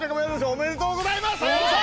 おめでとうございますハヤブサ！